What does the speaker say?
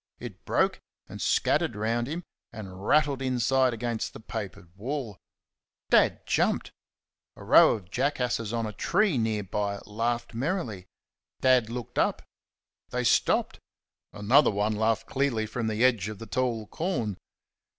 It broke and scattered round him, and rattled inside against the papered wall. Dad jumped round. A row of jackasses on a tree near by laughed merrily. Dad looked up. They stopped. Another one laughed clearly from the edge of the tall corn.